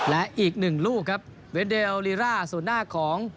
และอีกหนึ่งลูกครับเวนเดลลีร่าศูนย์หน้าของ